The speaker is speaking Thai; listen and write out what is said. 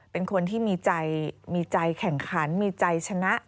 เป็นคนที่มีใจแข่งขันมีใจชนะ